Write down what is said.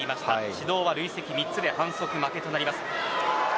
指導は累積３つで反則負けとなります。